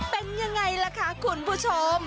เป็นยังไงล่ะคะคุณผู้ชม